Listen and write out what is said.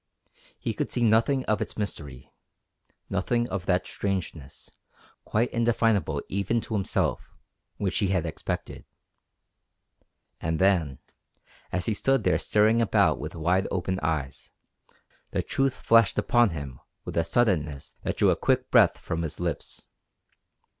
He could see nothing of its mystery, nothing of that strangeness, quite indefinable even to himself, which he had expected. And then, as he stood there staring about with wide open eyes, the truth flashed upon him with a suddenness that drew a quick breath from his lips.